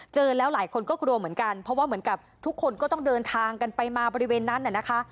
เจอแล้วหลายคนก็กลัวเหมือนกันเพราะว่าเหมือนกับทุกคนก็ต้องเดินทางกันไปมาบริเวณนั้นน่ะนะคะ